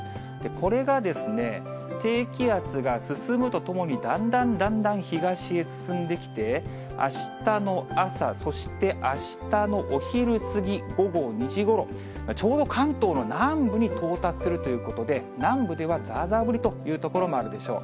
これが低気圧が進むとともに、だんだんだんだん東へ進んできて、あしたの朝、そしてあしたのお昼過ぎ、午後２時ごろ、ちょうど関東の南部に到達するということで、南部ではざーざー降りという所もあるでしょう。